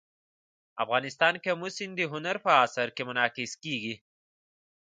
افغانستان کې آمو سیند د هنر په اثار کې منعکس کېږي.